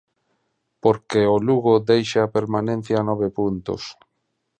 Porque o Lugo deixa a permanencia a nove puntos.